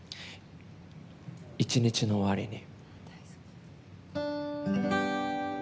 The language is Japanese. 「一日の終わりに」。